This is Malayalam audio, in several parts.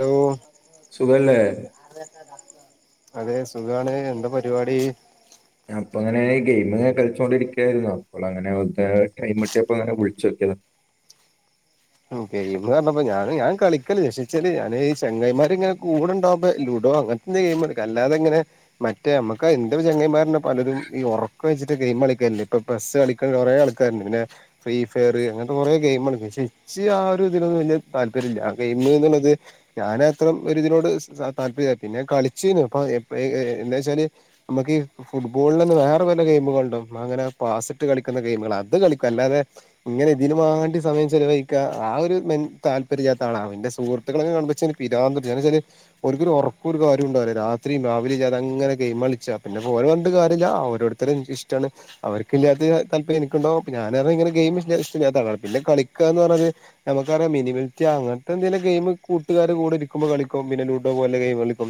ഹലോ സുഖല്ലേ? അതെ സുഖാണ്, എന്താ പരിപാടി? ഞാ ഇപ്പോ അങ്ങനെ ഗെയിമൊക്കെ കളിച്ചോണ്ടിരിക്കായിരുന്നു അപ്പോ അങ്ങനെ ടൈം കിട്ടിയപ്പോ അങ്ങനെ വിളിച്ചോക്കിയതാ. ഗെയിമ് പറഞ്ഞപ്പോ ഞാന് ഞാൻ കളിക്കലില്ലാ പക്ഷേച്ചാല് ഞാന് ഈ ചങ്ങായിമാര് ഇങ്ങനെ കൂടണ്ടാകുമ്പ ലുഡോ അങ്ങനെ ന്ന് ഗെയിം എടുക്കാ അല്ലാതങ്ങനെ മറ്റേ മ്മക്ക് ന്റെ ചങ്ങായിന്മാരന്നേ പലരും ഈ ഒറക്ക് ഒയിച്ചിട്ട് ഗെയിം കളിക്കലില്ലേ ഇപ്പോ പസ്സ് കളിക്കണ കുറെ ആൾക്കാരിണ്ട് പിന്നെ ഫ്രീ ഫയർ അങ്ങനത്തെ കുറേ ഗെയിം കളിക്കും ക്ഷേ ശെ ആ ഒരു ഇതിലൊന്നും വല്യ താല്പര്യമില്ല ഗെയിമ് എന്നുള്ളത് ഞാന് അത്രം ഒര് ഇതിനോട് താല്പര്യല്ലാ പിന്നെ കളിച്ചീനു അപ്പോ എപ്പഴേ എന്ന് വച്ചാല് നമ്മക്ക് ഫുട്ബോളൊന്നും വേറെ വല്ല ഗെയിമുകളുണ്ടോ അങ്ങനെ പാസ്സിട്ട് കളിക്കുന്ന ഗെയിമുകൾ അത് കളിക്കും അല്ലാതെ ഇങ്ങനെ ഇതിന് വാണ്ടി സമയം ചെലവയി ക്കാ ആ ഒരു മെൻ താല്പര്യല്ലാത്ത ആളാ ന്റെ സുഹൃത്തുക്കളൊക്കെ കാണുമ്പോ ഇച്ച് പിരാന്ത് പിടിച്ചും എന്ന് വെച്ചാല് ഓരിക്കൊരു ഉറക്കൊ ഒരു കാര്യം ഉണ്ടാവില്ല രാത്രിയും രാവിലില്യാതെ അങ്ങനെ ഗെയിം കളിച്ചാ പിന്നെ പ്പോ ഓരെ പറഞ്ഞിട്ട് കാര്യല്ല അവരോട് ഇത്രയും ഇൻക് ഇഷ്ടാണ്. അവരിക്കില്ലാത്ത താല്പര്യം എനിക്കുണ്ടാകും [unintelligible] ഇങ്ങനെ ഗെയിം ഇഷ്ടല്ലാത്ത ആളാണ് പിന്നെ കളിക്കാന്ന് പറഞ്ഞത് നമുക്കറിയാം മിനിമിറ്റിയാ അങ്ങനത്തെന്തേലും ഗെയിം കൂട്ടുകാരെ കൂടെ ഇരിക്കുമ്പോ കളിക്കും പിന്നെ ലൂഡോ പോലെ ഗെയിം കളിക്കും.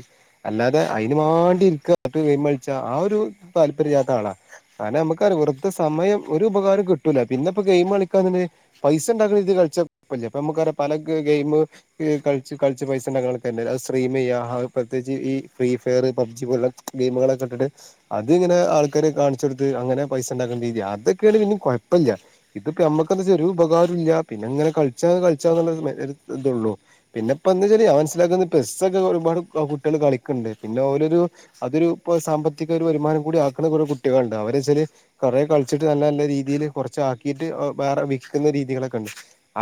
അല്ലാതെ അയിന് വാണ്ടി ഇരിക്കാ ഗെയിം കളിച്ച ആ ഒരു താല്പര്യല്ലാത്ത ആളാ. കാരണം നമുക്കറിയാ വെറുതെ സമയം ഒരു ഉപകാരം കിട്ടൂല പിന്നെ ഇപ്പം ഗെയിം കളിക്കാന്നിണ്ടങ്കി പൈസയിണ്ടാക്കണ ഇത് കളിച്ച കുഴപ്പല്ല്യാ പ്പോ നമ്മക് അറിയ പല ഗെയിമ് കളിച്ച് കളിച്ച് പൈസ ഇണ്ടാക്കണെ [unintelligible] അത് സ്ട്രീമ് ചെയ്യാ അത് പ്രത്യേകിച്ച് ഈ ഫ്രീ ഫയറ് പബ്ജി പോലെ ഗെയിമുകളൊക്കെ ഇട്ടിട്ട് അതിങ്ങനെ ആൾക്കാരെ കാണിച്ച് കൊടുത്ത് അങ്ങനെ പൈസയിണ്ടാക്കണ രീതി അതൊക്കെയാണേ പിന്നെ കുഴപ്പില്ല. ഇതിപ്പ നമ്മക്ക് എന്താച്ചാ ഒരു ഉപകാരോല്ല പിന്നെങ്ങനെ കളിച്ചാ കളിച്ചാ [unintelligible] ഇതള്ളൂ. പിന്നെപ്പ എന്താച്ചാല് ഞാൻ മനസ്സിലാക്കുന്ന പെസ്സ് ഒക്കെ ഒരുപാട് കുട്ടിയാൾ കളിക്കിണ്ട് പിന്നെ ഓലോരു അതൊരുപ്പോ സാമ്പത്തിക ഒരു വരുമാനം കൂടി ആക്കുന്ന കുറേ കുട്ടികള്ണ്ട് അവരെച്ചാല് കൊറെ കള്ച്ചിട്ട് നല്ല നല്ല രീതിയില് കൊറച്ച് ആക്കിട്ട് വേറ വിക്കുന്ന രീതികളൊക്കെണ്ട്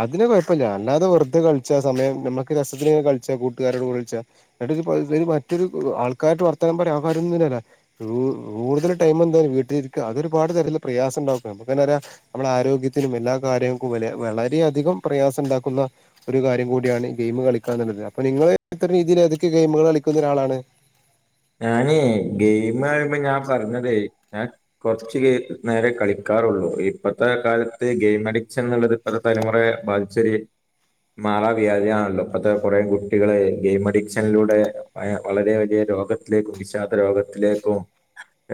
അതിന് കോഴപ്പല്ല അല്ലാതെ വെർതെ കൾച്ചാ സമയം നമക്ക് രസത്തിന് കളിച്ചാ കൂട്ടുകാരോട് കൂടെ കള്ച്ചാ എന്നിട് [unintelligible] മറ്റൊരു ആൾക്കാരട്ട് വർത്താനം പറയാ ആക്കാര്യയൊന്നും ല്ലല്ലെ കൂ കൂടുതൽ ടൈം എന്താലും വീട്ടിലിരിക്ക അതൊരുപാട് തരത്തിൽ പ്രയാസം ഉണ്ടാക്കും നമക്ക് എന്താ പറ നമ്മളെ ആരോഗ്യത്തിനും എല്ലാ കാര്യങ്ങൾക്കും വെല വളരെയധികം പ്രയാസം ഉണ്ടാക്കുന്ന ഒരു കാര്യം കൂടിയാണ് ഗെയിമ് കളിക്കാ എന്നുള്ളത് അപ്പൊ നിങ്ങൾ ഇത്തര രീതിയില് ഏതൊക്കെ ഗെയിമുകൾ കളിക്കുന്ന ഒരാളാണ് ഞാനേ ഗെയിമ് റയുമ്പോ ഞാൻ പറഞ്ഞതേ ഞ കൊർച്ച് നേരെ കളിക്കാറുള്ളു ഇപ്പത്തെ കാലത്ത് ഗെയിം അഡിക്ഷൻ ന്ന്ള്ളത് ഒരു തല മുറേ ബാധിച്ചോര് മാറാ വ്യാജിയാണല്ലോ ഇപ്പത്തെ കൊറേ കുട്ടികളെ ഗെയിം അഡിക്ഷനിലൂടെ ഏ വളരെ വലിയ രോഗ ത്തിലേക്കും വിഷാദ രോഗത്തിലേക്കും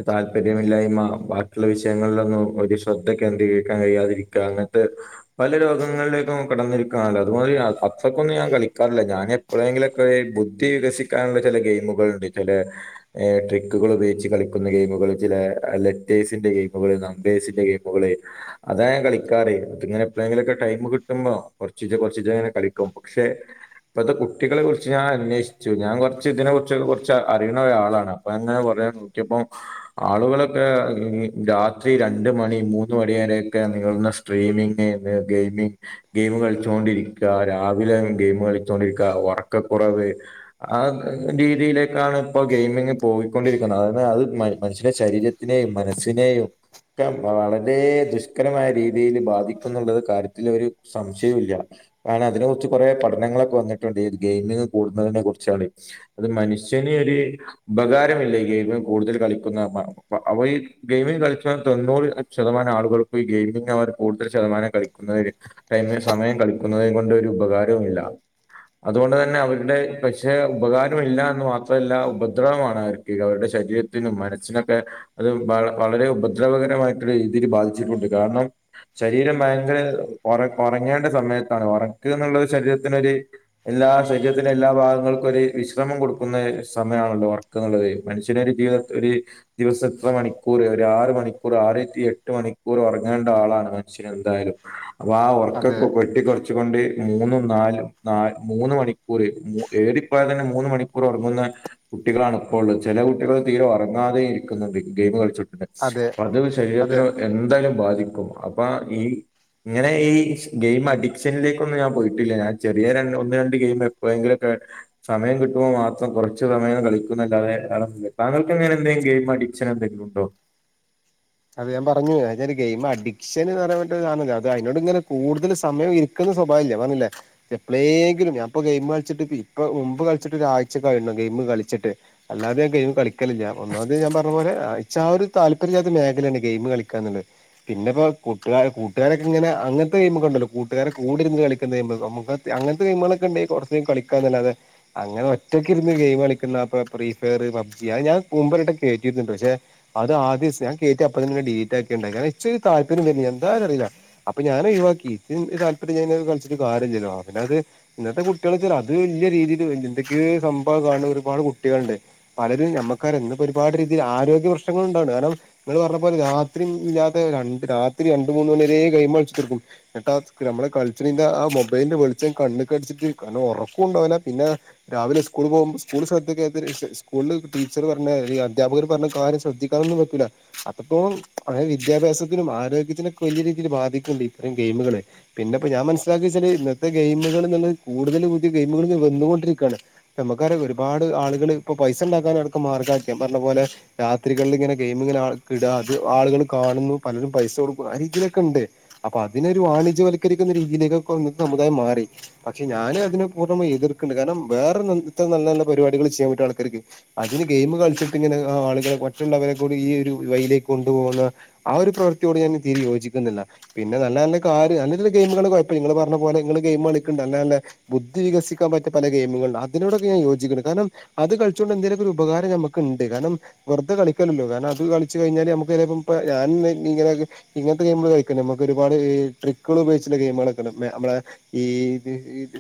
താല്പര്യമില്ലായ്മ ബാക്കിയുള്ള വിഷയങ്ങളിലൊന്നും ഒരു ശ്രദ്ധ കേന്ദ്രീകരിക്കാൻ കഴിയാതിരി ക്കാ അങ്ങത്തെ പല രോഗങ്ങളിലേക്കും കടന്നിരിക്കാലോ അതുമാരി അത്ര ക്കൊന്നും ഞാൻ കളിക്കാറില്ല ഞാന് എപ്പളേങ്കിലൊക്കെ ബുദ്ധി വികസിക്കാനുള്ള ചെല ഗെയിമുകളുണ്ട് ചെലെ ഏ ട്രിക്കുകൾ ഉപയോഗിച്ച് കളിക്കുന്ന ഗെയിമുകള് ചില ലെറ്റേഴ്സിന്റെ ഗെയിമുകള് നമ്പേഴ്സിന്റെ ഗെയിമുകള് അതാ ഞാൻ കളിക്കാറ് അത് ഇങ്ങന എപ്പളെങ്കിലൊക്കെ ടൈം കിട്ടുമ്പോ കൊറ്ച്ചീച്ച കോറ്ച്ചീച്ച ങ്ങനെ കളിക്കും പക്ഷെ ഇപ്പത്തെ കുട്ടികളെ കൊർച്ച് ഞാൻ അന്വേഷിച്ചു ഞാൻ കൊർച്ച് ഇതിനെ കൊർച്ച്ക്കെ കൊർ അറിണ ഒരാളാണ് അപ്പൊ അങ്ങനെ കൊറേ നോക്കിയപ്പം ആളുകളൊക്കെ രാത്രി രണ്ട് മണി മൂന്ന് മണി വരൊക്കെ നീളുന്ന സ ട്രെയിനിങ് ഗെയിമിങ് ഗെയിമ് കളിച്ചോണ്ടിരിക്ക രാവിലെ ഗെയിമ് കളിച്ചോണ്ടിരിക്ക ഒറക്കക്കുറവ് ആഹ് രീതിയില് ക്കാണ് ഇപ്പോ ഗെയിമിങ് പോയിക്കൊണ്ടിരിക്കുന്നത് അത് മൻ മനുഷ്യ ശരീരത്തിന് മനസ്സിനെയും ഒക്കെ വളരെ ദുഷ്കരമായ രീതിയിൽ ബാധിക്കുന്നുണ്ട് എന്നകാര്യത്തി ഒരു സംശയും ഇല്ല കാരണം അതിനെ കുറിച്ച് കൊറേ പഠനങ്ങളൊക്കെ വന്നിട്ടുണ്ട് ഈ ഗെയിമിംഗ് കൂടുന്നതിനെ കുറിച്ചാണ് അത് മനഷ്യ നിൽ ഒരു ഉപകാരമില്ല ഈ ഗെയിമ് കൂടുതൽ കളിക്കുന്ന മ വ അവയിൽ ഗെയിമിംഗ് കളിച്ച തൊണ്ണൂറ് ശതമാനം ആളുകൾക്കും ഈ ഗെയിമിംഗ അവർ കൂടുതൽ ശതമാനം കളിക്കുന്ന ഒര് ടൈമിൽ സമയം കളിക്കുന്നതിനെ കൊണ്ട് ഒരു ഉപകാരവും ഇല്ല അതുകൊണ്ട് തന്നെ അവരുടെ പക്ഷെ ഉപകാരം ഇല്ല എന്ന് മാ മാത്രല്ല ഉപദ്രവമാണ് അവർക്ക് അവരുടെ ശരീരത്തിനും മനസ്സിനൊക്കെ അത് വള വളരെ ഉപദ്രവകരമായിട്ടുള്ള രീതിൽ ബാധിച്ചിട്ടുണ്ട് കാരണം ശരീരം ഭയങ്കര ഒറ ഒറങ്ങേണ്ട സമയത്താണ് ഒറക്ക്ന്നുള്ളത് ശരീരത്തിനൊര് എല്ലാ ശരീരത്തിന്റെ എല്ലാ ഭാഗങ്ങൾക്കും ഒരു വിശ്രമം കൊടു ഒന്ന് സമയമാണല്ലോ ഒറ് ക്ക്ന്നുള്ളത് മനുഷ്യനൊര് ജീവിത ഒര് ദിവസം എത്ര മണിക്കൂറ് ഒരു ആറ് മണിക്കൂറ് ആറ് ടു എട്ട് മണിക്കൂറ്ഉറങ്ങേണ്ട ആളാണ് മനുഷ്യന് എന്തായാലും അപ്പൊ ആഹ് അതെ ഒറക്കൊക്ക വെട്ടി കൊർച്ച് കൊണ്ട് മൂന്നും നാലും ന്നാ മൂന്ന് മണിക്കൂറ് മൂ ഏറിപോയ തന്നെ മൂന്ന് മണി ക്കൂറ ഒറങ്ങുന്ന കുട്ടികളാണ് ഇപ്പോൾ ഉള്ളത് ചെല കുട്ടികൾ തീരെ ഒറങ്ങാതെ ഇരിക്കുന്നുണ്ട് ഗെയിംമ് കളിച്ചിട്ട് അതെ അത് അത് ശരീരത്തിന് എന്തായാലും അത് ബാധിക്കും അപ്പൊ ഈ ഇങ്ങനെ ഈ ഗെയിം അഡിക്ഷനിലേക്കൊന്നും ഞാൻ പോയിട്ടില്ല ഞാൻ ചെറിയ രണ് ഒന്ന് രണ്ട് ഗെയിം എപ്പോഴെങ്കിലുക്കെ സമയം കിട്ടു മ്പോ മാത്രം കുറച്ച് സമയം കളിക്കുന്നല്ലാതെ വേറെ [unintelligible] താങ്കൾക്ക് എങ്ങനെ എന്തെങ്കിലും ഗെയിം അഡിക്ഷൻ എന്തെങ്കിലും ഉണ്ടോ? അത് ഞാൻ പറഞ്ഞു അത് ഒരു ഗെയിം അഡിക്ഷന്ന്ന്പറയാൻ പറ്റൂല്ല [unintelligible] അതിനോട് ഇങ്ങനെ കൂടുതൽ സമയം ഇ ക്കുന്ന സ്വഭാവം ഇല്ല പർഞ്ഞില്ലേ എപ്പളേങ്കിലും ഞാൻപ്പൊ ഗെയിം കളിച്ചിട്ട് ഇപ്പൊ മുമ്പ് കളിച്ചിട്ട് ഒരാഴ്ച [unintelligible] ഗെയിമ്കളിച്ചിട്ട് അല്ലാതെ ഗെയിം കളിക്കലില്ല ഒന്നാമത് ഞാൻ പർഞ്ഞ പോലെ ആച്ച ആ ഒരു താല്പര്യല്ലാതെ മേഖ [unintelligible] ഗെയ്മ് കളിക്കാന്ന്ള്ളത് പിന്നെ ഇപ്പ കൂട്ടുകാ കൂട്ടുകാരൊക്കെ ഇങ്ങനെ അങ്ങനത്തെഗെയിമോക്കെണ്ടല്ലോ കൂട്ടുകാരെ കൂടെരുന്ന് കളിക്കുന്നെ അങ്ങനത്തെ ഗെയിമുകളൊക്ക ഉണ്ടായി കുറച്ചും കളിക്കാന്നല്ലാെ അങ്ങനെ ഒറ്റക്കെ ഇരുന്ന് ഗെയിം കളിക്കുന്ന അപ്പൊ ഫ്രീ ഫയർ പബ്ജി അത് ഞാൻ മുമ്പോരുവെട്ടം കേറ്റിയിട്ടുണ്ട് പക്ഷെ അത് ആദ്യദിവസം ഞാൻ കേറ്റി അപ്പെ തന്നെ ഡിലീറ്റ് ആക്കിട്ടണ്ടായി ഇച്ച ഒരു താൽപര്യം [unintelligible] അറിയില്ല അപ്പൊ ഞാൻ ഒഴിവാക്കി ഇത് താല്പര്യം ഞ കളിച്ചട്ടരു [unintelligible] കാര്യല്ലല്ലോ [unintelligible] ഇന്നത്തെ കുട്ടികൾ വെച്ചാൽ അത് വലിയ രീതിയില് ഇന്തൊക്ക സംഭവം കാണ ഒരുപാട് കുട്ടികളുണ്ട് പലരും നമ്മുക്കറിയാം എന്നിപ്പോ ഒരുപാട് രീതിയിൽ ആരോഗ്യ പ്രശ്നങ്ങളൾണ്ടാവാണ് കാരണം ഇങ്ങൾ പറഞ്ഞ പോലെ രാത്രി ഇല്ലാതെ രണ്ട് രാത്രി രണ്ട് മൂന്ന് മണി വരെ ഗെയിം കളിച്ചോണ്ടിരിക്കും എന്നട്ടാ നമ്മള കളിച്ചിന്റെ ആഹ് മൊബൈലിന്റെ വെളിച്ചം കണ്ണിക്ക് അടിച്ചിട്ട് ഉറക്കം ഉണ്ടാവില്ല പിന്നെ രാവിലെ സ്കൂൾ പോകുമ്പോൾ സ്കൂൾ ശ്രദ്ധ സ്കൂളിൽ ടീച്ചർ പറഞ്ഞ അധ്യാപകർ പറഞ്ഞ കാര്യം ശ്രദ്ധിക്ക ക്കാനൊന്നും പറ്റൂല്ല അത്രപ്പോ അഹ് വിദ്യാഭ്യാസത്തിനും ആരോഗ്യത്തിനൊക്കെ വലിയ രീതിയിൽ ബാധിക്കുന്നുണ്ട് ഇത്തരം ഗെയിമുകളൊക്കെ പിന്നെപ്പപ്പോ ഞാൻ മനസ്സിലാക്കി വെച്ചാല് ഇന്നത്തെ ഗെയിമുകൾ എന്നുള്ളത് കൂടുതൽ പുതിയ ഗെയിമുകൾ വന്നുകൊണ്ടിരിക്കയാണ് നമുക്കറിയാം ഒരുപാട് ആളുകള് ഇപ്പൊ പൈസ ഉണ്ടാക്കാന അടക്ക മാർഗം ആക്കി ഞാൻ പറഞ്ഞ പോലെ രാത്രികളിൽ ഇങ്ങനെ ഗെയിമിങ്ങ കിടാത് ആളുകൾ കാണുന്നു പലരും പൈസ കൊടുക്കും ആഹ് രീതിലൊക്കെ ഉണ്ട് അപ്പൊ അതിനൊരു വാണിജ്യവത്ക്കരിക്കുന്ന രീതിയിലേകൊക്കെ സമുദായം മാറി പക്ഷെ ഞാന് അതിനെ പൂർണ്ണമായും എതിർക്കണ്ട് കാരണം വേറെ എത്ര നല്ല നല്ല പരിപാടികൾ ചെയ്യാൻ പറ്റിയ ആൾക്കാർക്ക് അതിന് ഗെയിമ് കളിച്ചിട്ട് ഇങ്ങനെ ആളുകളെ മറ്റുള്ളവരെ കൂടി ഈ ഒരു വയിലേക്ക് കൊണ്ടുപോകുന്ന ആഹ് ഒരു പ്രവൃത്തിയോട് ഞാൻ തീരെ യോജിക്കുന്നില്ല പിന്നെ നല്ല നല്ല കാര്യാ നല്ല ഗെയിമുകൾ കുഴപ്പല്ല്യ നിങ്ങള് പറഞ്ഞ പോലെങ്ങള് ഗെയിം കളിക്ണ്ട് നല്ല നല്ല ബുദ്ധി വികസിക്കാൻ പറ്റിയ പല ഗെയിമുകള്ണ്ട് അതിനോടൊക്കെ ഞാൻ യോജിക്ക്ണ്ട് കാരണം അത് കളിച്ചതോണ്ട് എന്തേലൊക്കെ ഒരു ഉപകാരം നമുക്ക്ണ്ട് കാരണം വെറുതെ കളിക്കല്ലല്ലൊ കാരണം അത് ക ളിച്ചു കഴിഞ്ഞാൽ നമുക്ക് ചിലപ്പോ ഇപ്പൾ ഞാൻ ഇങ്ങനെ ഇങ്ങനത്തെ ഗെയിമുകൾ കളിക്കണം നമുക്ക് ഒരുപാട് ട്രിക്കുകൾ ഉപയോഗിച്ചുള്ള ഗെയിമുകളൊക്കണ്ടല്ലൊ നമ്മുടെ ഈ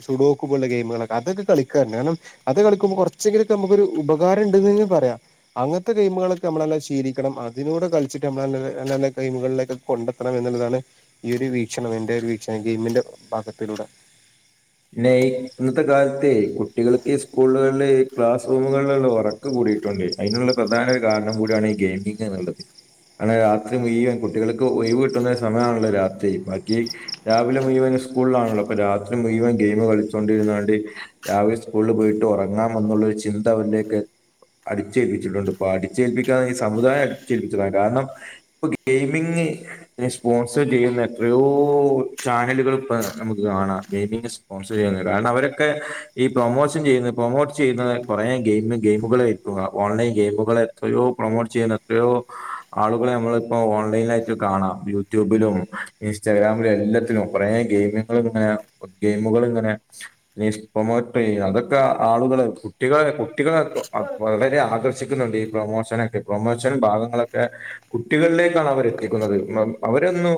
സുഡോക്ക് പോലുള്ള ഗെയിമുകളൊക്കെ അതൊക്കെ കളിക്ക കാരണം അത് കളിക്കുമ്പോ കുറച്ചെങ്കിലൊക്കെ നമുക്കൊരു ഉപകാരം ഇണ്ട്ന്നേങ്കിലും പറയാം ഞമ്മളൊക് ശീലിക്ക അങ്ങത്തെ ഗെയിമുകളൊക്കെ നമ്മളെല്ലാം ശീലും ണം അതിലൂടെ കളിച്ചിട്ട് നമ്മള് നല്ല നല്ല ഗെയിമുകളിലൊക്കെ കണ്ടെത്തണം എന്നുള്ളതാണ് ഈ ഒരു വീക്ഷണം എന്റെ ഒരു വീക്ഷണം ഗെയിമിന്റെ ഭാഗത്തിലൂടെ പിന്നെ ഇന്നത്തെ കാലത്ത് കുട്ടികൾക്ക് സ്കൂളുകളില് ക്ലാസ് റൂമുകളിലുള്ള ഉറ ക്കം കൂടിയിട്ടുണ്ട് അതിനുള്ള പ്രധാന ഒരു കാരണം കൂടിയാണ് ഈ ഗെയിമ് എന്നുള്ളത് രാത്രി മുഴുവൻ കുട്ടികൾക്ക് ഒഴിവ് കിട്ടുന്ന സമയമാണല്ലോ രാത്രി ബാക്കി രാവിലെ മുഴുവൻ സ്കൂളിലാണല്ലോ അപ്പം രാത്രി മുഴുവൻ ഗെയിം കളിച്ചൊണ്ടിരുന്നാണ്ട് രാവിലെ സ്കൂളിൽ പോയിട്ട് ഉറങ്ങാം എന്നുള്ള ഒരു ചിന്ത അവരിലേക്ക് അടിച്ചേൽപ്പിച്ചിട്ടുണ്ട് ഇപ്പൊ അടിച്ചേൽപ്പിക്കാൻ ഈ സമുദായം അടിച്ചേൽപ്പിച്ചതാ കാരണം ഇപ്പം ഗെയിമിംഗ് സ്പോൺസർ ചെയ്യുന്ന എത്രയോ ചാനലുകൾ ഇപ്പം നമുക്ക് കാണാം ഗെയിമിങ് സ്പോൺസർ ചെയ്യുന്നത് കാരണം അവരൊക്കെ ഈ പ്രൊമോഷൻ ചെയ്യുന്ന പ്രൊമോട്ട് ചെയ്യുന്നത് കുറേ ഗെയിമ് ഗെയിമുകൾ ഓൺലൈൻ ഗെയിമുകൾ എത്രയോ പ്രൊമോട്ട് ചെയ്യുന്ന എത്രയോ ആളുകളെ നമ്മളിപ്പോൾ ഓൺലൈനിലായിട്ട് കാണാം യൂട്യൂബിലും ഇൻസ്റ്റാഗ്രാമിലും എല്ലാത്തിലും കുറേ ഗെയിമുകളും ഇങ്ങനെ കുറെ ഗെയിമ് ഗെയിമ്കളങ്ങനെപ്രൊമോട്ടർചെയ്യ അതൊക്കെ ആളുകള് കുട്ടികളെ കുട്ടികളൊക്കെ വളരെ ആകർഷിക്കുന്നുണ്ട് ഈ പ്രൊമോഷനൊക്കെ പ്രൊമോഷനും ഭാഗങ്ങളൊക്കെ കുട്ടികളിലേക്കാണ് അവർ എത്തിക്കുന്നത് അവരൊന്നും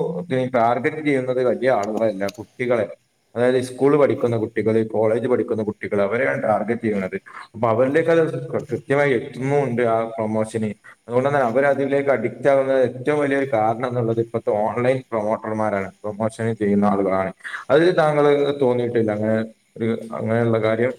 ടാർഗറ്റ് ചെയ്യുന്നത് വലിയ ആളുകളെയല്ല കുട്ടി കുട്ടികളെ അതായത് സ്കൂള് പഠിക്കുന്ന കുട്ടികൾ കോളേജ് പഠിക്കുന്ന കുട്ടികൾ അവരെയാണ് ടാർഗറ്റ് ചെയ്യുന്നത് അവരിലേക്ക് അത് കൃത്യമായി എത്തുന്നുണ്ട് ആഹ് പ്രൊമോഷന് അതോണ്ട് തന്നെ അവരതിലേക്ക് അഡിറ്റാവുന്നത് ഏറ്റവും വലിയൊരു കാരണംന്നുള്ളത് ഇപ്പത്തെ ഓൺലൈൻ പ്രൊമോട്ടർമാരാണ് പ്രൊമോഷൻ ചെയ്യുന്ന ആളുകളാണ് അത് താങ്കൾ തോന്നിയിട്ടില്ലേ അങ്ങനെ ഒരു അങ്ങനെയുള്ള കാര്യം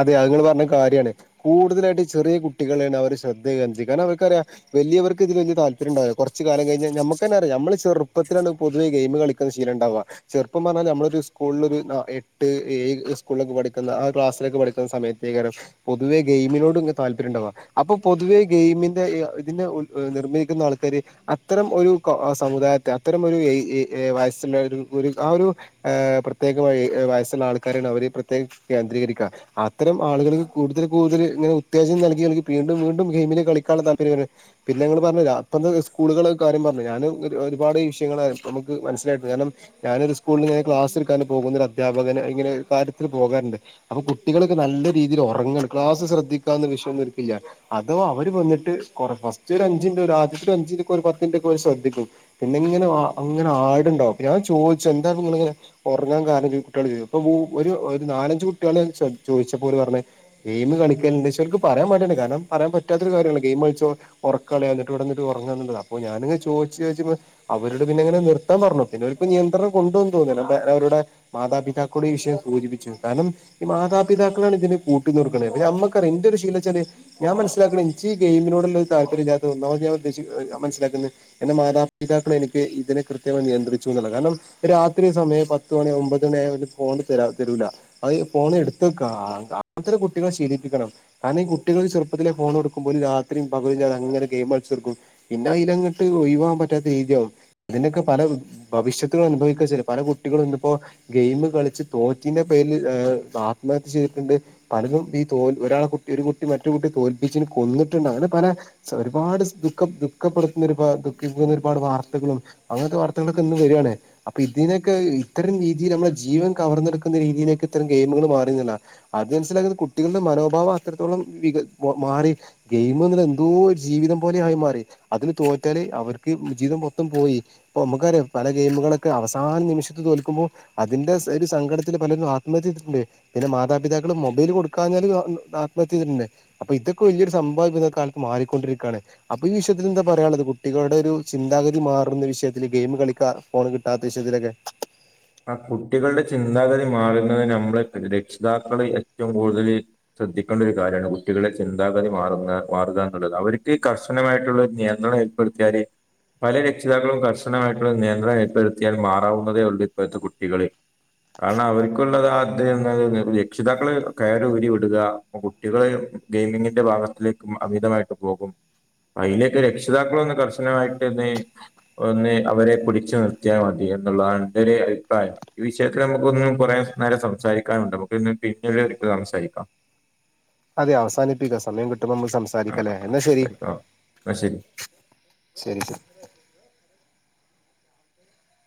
അതെ അത്ങ്ങള് പറഞ്ഞത് കാര്യാണ് കൂടുതലായിട്ട് ചെറിയ കുട്ടികളേണ് അവര് ശ്രദ്ധകേന്ദ്രീകരിക്ക കാരണം അവർക്കറിയാം വലിയവർക്ക് ഇത് വലിയ താല്പര്യണ്ടാവൂല കുറച്ച് കാലം കഴിഞ്ഞാ നമ്മുക്കന്നറിയനമ്മള് ചെറുപ്പത്തിലാണ് പൊവെ ഗെയിം കള ശീലണ്ടാവ ചെർപ്പം പറഞ്ഞാ ഞമ്മളൊരു സ്കൂൾലൊര് ന്നാ എട്ട് ഏഴ് സ്കൂൾലൊക്കെ പഠിക്കുന്ന ആ ക്ലാസ്. ലൊക്കെ പഠിക്കുന്ന സമയത്തേകാരം പൊതുവെ ഗെയിമിനോട്ങ്ങ താല്പര്യംണ്ടാവ. അപ്പൊ പൊതുവേ ഗെയിമിന്റെ ഇ ഇതിനെ ഉൽ അ് നിർമ്മിക്കുന്ന ആൾക്കാര്. അത്തരം ഒരു കൊ അ സമുദായത്തെ അത്തരം ഒരു എയ് ഇ എ വയസ്സ്ല്ല ഒരു പുരു ആ ഒരു. ഏഹ് പ്രത്യേക മയ് എ വയസ്സ്ള്ള ആൾക്കാരണ് അവര് പ്രത്യേകം കേന്ദ്രീകരിക്ക. അത്തരം ആളുകള് കൂടുതൽ കൂടുതല് ങ്ങനെ ഉത്തേജനം നൽകി നൽകി പീണ്ടും വീണ്ടും ഗെയിമില് കളിക്കാള്ള താപര്യം വര്ണ്. പിന്നെങ്ങള് പർഞ്ഞു രാ പ്പത്തെ സ്കൂളുകള് കാര്യം പർഞ്ഞു ഞാന് ഒര് ഒരുപാട് വിഷയങ്ങള നമുക്ക് മനസ്സിലായിട്ട് കാര്ണം. ഞാനൊരു സ്കൂൾല്ങ്ങനെ ക്ലാസ്ട്ക്കാൻ ണ്ടി പോകുന്നൊരു അധ്യാപകന് ഇങ്ങനെ കാര്യത്തില് പോകാൻണ്ട്. അപ്പൊ കുട്ടികളൊക്കെ നല്ല രീതിയില് ഒറങ്ങാണ് ക്ലാസ് ശ്രദ്ധിക്കാന്ന വിഷയൊന്നു ഓര്കില്ല. അതോ അവര് വന്നിട്ട് കൊറ ഫസ്റ്റ് ഒരഞ്ചിൻറ്റ് ഒരാദ്യത്തെ അഞ്ചിൻറ്റൊക്കോല് പത്തിൻറ്റൊക്കൊല് ശ്രദ്ധിക്കും. പിന്നെ ഇങ്ങനെ അങ്ങനെ ആടുണ്ടാവും ഞാൻ ചോദിച്ചു എന്താ നിങ്ങളെങ്ങനെ ഒർങ്ങാ കാര്ണം ജ് കുട്ട്യളോട് ചൊയ് ച പ്പ ഗൂ ഒരു ഒര് നാലഞ്ച് കുട്ട്യളെൻ ശ്ര ചോയ്ച്ചപ്പോ ഓല് പർഞ്ഞെ. ഗെയിമ് കളിക്കല്ണ്ട് ക്ഷെ ഓൽക്ക് പറയാ മട്യാണ് കാര്ണം പറയാ പറ്റാത്തൊരു കാര്യാണല്ലോ ഗെയിമൾച്ചോ ഒർക്കളയ ന്നട്ട് ഇവടന്നിട്ട് ഒർങ്ങാന്നുള്ളത അപ്പൊ ഞാനിങ്ങ ചോയ്ച്ച് ചോയ്ച്ചപ്പ. അവരട് പിന്നെങ്ങനെ നിർത്താ പർഞ്ഞു പിന്നെ അവര്പ്പം നിയന്ത്രണം കൊണ്ടുവന്നു തോന്ന്ണ് അതെ അവരുടെ. മാതാപിതാക്കളോട് ഈ വിഷയം സൂചിപ്പിച്ചു കാരണം. ഈ മാതാപിതാക്കളാണ് ഇതിന് കൂട്ട്ന്നൊട്ക്ണത് ഞമ്മക്കറിയ ഇന്റെരു ശീലന്നചാല്. ഞാ മൻസിലാക്ക്ണത് ഇൻച്ചി ഈ ഗെയിമിനോള്ളരു താല്പര്യല്ല്യാത്തത് ഒന്നാമത്തത് ഞാന് ഉദ്ദേശിക്കുന്ന എഹ് ഞ മൻസിലാക്കുന്നത്. എന്നെ മാതാ പിതാക്കള് എനിക്ക് ഇതിനെ കൃത്യമായി നിയന്ത്രിച്ചു ന്നുള്ള കാരണം. രാത്രി സമയം പത്ത്മണി ഒമ്പത് മണിയായ ഒരു ഫോൺ തരാ തരൂല അത്. ഫോൺ എടുത്ത്ക്കാ ആ അത്തരു കുട്ടികളെ ശീലിപ്പിക്കണം കാരണം ഈ കുട്ടികള് ചെറുപ്പത്തിലെ ഫോണൊടുക്കുമ്പ ഓല് രാത്രിം പകലുല്ലാതങ്ങനെ ഗെയിമൾച്ചുത്തർക്കും. പിന്നെ അയ്ലങ്ങട്ട് ഒയ് വാവാൻ പറ്റാത്ത രീത്യാവും. ഇതിൻ്റൊക്കെ പല ഭവിഷ്യത്തുകും അനുഭവിക്കാ ചരി പല കുട്ടികളും ഇന്നിപ്പോ. ഗെയിമ് കളിച്ച് തോറ്റിന്റെ പേരിൽ ഏഹ് ആത്മഹത്യ ചെയ്തിട്ടുണ്ട്. പലതും ഈ തോൽ ഒരാള് കുട്ടി ഒരു കുട്ടി മറ്റൊരു കുട്ട്യെ തോൽപ്പിച്ചിന് കൊന്നിട്ടുണ്ട് അങ്ങനെ പല. ച്ച ഒരുപാട് സ് ദുഃഖ ദുഃഖപ്പെടുത്തുന്നരു പ ദുഃഖിക്കുന്ന ഒരുപാട് വാർത്തകളും. അങ്ങൻത്തെ വാർത്തകളൊക്കെ ഇന്ന് വര്യാണേ. അപ്പ ഇതിനൊക്കഹ് ഇത്തരം രീതിയിൽ നമ്മളെ ജീവൻ കവർന്നെടുക്കുന്ന രീതിയിലേക്ക് ഇത്തര ഗെയിമുകള് മാറിന്ന്ള്ള അത് മൻസ്സിലാക്കുന്ന കുട്ടികൾടെ മനോഭാവം അത്രത്തോളം വിക മൊ മാറി. ഗെയിമ്ന്ന്ള്ള എന്തോര് ജീവിതം പോലെ ആയിമാറി. അതിന് തോറ്റാല് അവര്ക്ക് മ് ജീവിതം മൊത്തം പോയി. പ്പൊ മ്മക്കറ്യ പല ഗെയിമുകളൊക്കെ അവസാന നിമിഷത്ത് തോൽക്കുമ്പോ അതിന്റെ സ് ഒരു സങ്കടത്തില് പലരും ആത്മ ത്മഹത്യ ചെയതിട്ട്ണ്ട് പിന്നെ മാതാപിതാക്കള് മൊബൈല് കൊടുക്കാഞ്ഞാല് അത്മ ആത്മഹത്യയ്തിട്ടുണ്ട്. അപ്പ ഇതൊക്കെ വല്ല്യൊരു സംഭവായി പ്പതൊക്കെ കാൽത്ത് മാറിക്കൊണ്ടിരിക്കാണ്. അപ്പ ഈ വിഷയത്തില് ന്താ പറയാള്ളത് കുട്ടികളുടെ ഒരു ചിന്താഗതി മാറുന്ന വിഷയത്തില് ഗെയിമ് കളിക്ക. ഫോണ് കിട്ടാത്ത വിഷയത്തിലൊക്കെ. ആ കുട്ടികൾടെ ചിന്താഗതി മാറുന്നത് നമ്മള് രക്ഷിതാക്കള് ഏറ്റും കൂടുതല്. ശ്രദ്ധിക്കണ്ടരു കാര്യാണ് കുട്ടികളെ ചിന്താഗതി മാറുന്ന മാറുക എന്നുള്ളത് അവർക്ക് കർശനമായിട്ടുള്ള നിയന്ത്രണ പെട്ത്ത്യാല് പല രക്ഷിതാക്കളും കർശനമായിട്ടുള്ള നിയന്ത്രണം ഏർപ്പെടുത്തിയാൽ മാറാവുന്നതേ ഒള്ളൂ. ഇപ്പോഴത്തെ കുട്ടികള്. കാരണം അവര്ക്കുള്ളത് [unintelligible] രക്ഷിതാക്കള് കയറ് ഊരി വിടുക. ട്ടികളെ ഗെയിമിങ്ങിന്റെ ഭാഗത്തേക്ക് മ അമിതമായിട്ട് പോകും. അയ്നൊക്കെ രക്ഷിതാക്കളൊന്ന് കർശനമായിട്ട് ന്ന്. ഒന്ന് അവരെ പുടിച്ച് നിർത്ത്യാ മതി എന്നുള്ളതാണ് ന്റെര് അഭിപ്രായം. ഈ വിഷയത്തില് നമുക്കൊന്നും കൊറേ സ് നേരം സംസാരിക്കാനുണ്ട് നമുക്കൊന്ന് പിന്നീടൊരിക്കൽ സംസാരിക്കാം. അതെ അവസാനിപ്പിക്കാം സമയം കിട്ടുമ്പ നമക്ക് ആ സംസാരിക്കലേ എന്ന ശരി. സംസാരിക്കാം എന്നാ ശരി ശരി സർ.